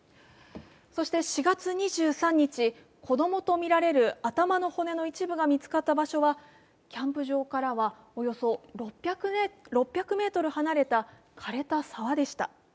そして４月２３日、子供とみられる頭の骨の一部が見つかった場所は、キャンプ場からはおよそ６００ｍ離れたかれた沢でした。